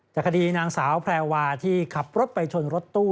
คดีนางสาวแพรวาที่ขับรถไปชนรถตู้